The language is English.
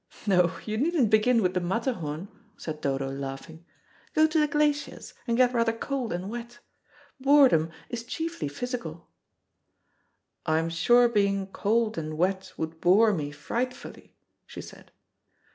"No, you needn't begin with the Matterhorn," said Dodo, laughing. "Go to the glaciers, and get rather cold and wet. Boredom is chiefly physical." "I'm sure being cold and wet would bore me frightfully," she said.